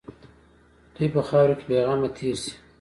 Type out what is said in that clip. دوی په خاوره کې بېغمه تېر شي.